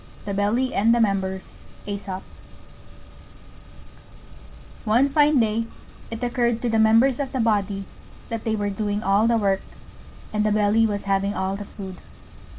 THE BELLY AND THE MEMBERS One fine day it occurred to the Members of the Body that they were doing all the work and the Belly was having all the food.